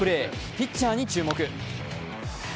ピッチャーに注目。